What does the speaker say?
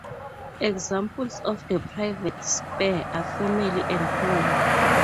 Examples of the private sphere are family and home.